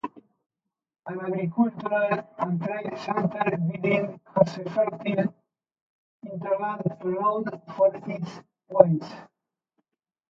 An agricultural and trade centre, Vidin has a fertile hinterland renowned for its wines.